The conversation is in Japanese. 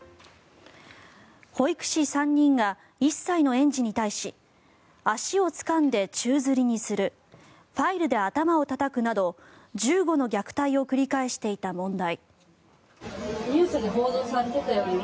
保育士３人が１歳の園児に対し足をつかんで宙づりにするファイルで頭をたたくなど１５の虐待を繰り返していた問題。